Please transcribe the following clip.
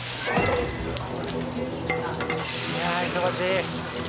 いや忙しい。